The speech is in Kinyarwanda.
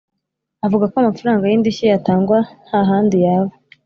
Avuga ko amafaranga y’indishyi yatangwa ‘nta handi yava